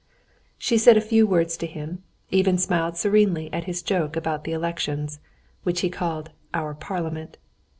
She said a few words to him, even smiled serenely at his joke about the elections, which he called "our parliament."